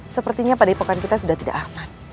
sepertinya pada ibukan kita sudah tidak aman